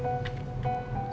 saya sudah tahu